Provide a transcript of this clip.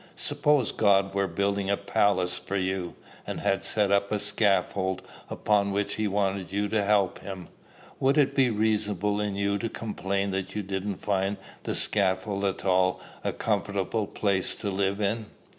Suppose God were building a palace for you, and had set up a scaffold, upon which he wanted you to help him; would it be reasonable in you to complain that you didn't find the scaffold at all a comfortable place to live in?